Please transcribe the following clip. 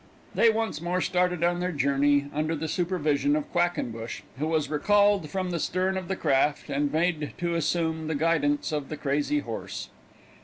They once more started on their journey, under the supervision of Quackenbush, who was recalled from the stern of the craft, and made to assume the guidance of the crazy horse.